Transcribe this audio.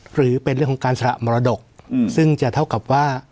หรือเป็นเรื่องของการสละมรดกซึ่งจะเท่ากับว่า